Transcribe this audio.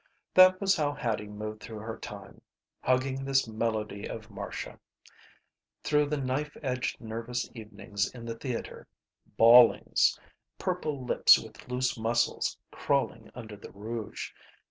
That was how Hattie moved through her time. Hugging this melody of Marcia. Through the knife edged nervous evenings in the theater. Bawlings. Purple lips with loose muscles crawling under the rouge.